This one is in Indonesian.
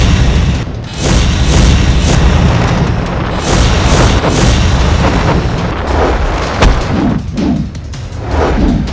mereka akan menekankan aku